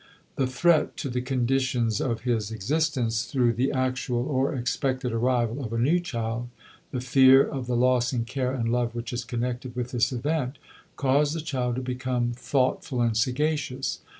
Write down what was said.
The threat to the conditions of his existence through the actual or expected arrival of a new child, the fear of the loss in care and love which is connected with this event, cause the child to become thoughtful and sagacious.